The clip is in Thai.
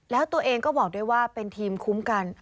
แล้วตัวเองก็บอกด้วยว่าเป็นทีมคุ้มกัน